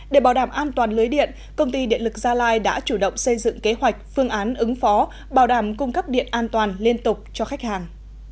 để bảo đảm an toàn lưới điện công ty điện lực gia lai đã chủ động xây dựng kế hoạch phương án ứng phó bảo đảm cung cấp điện an toàn liên tục cho khách hàng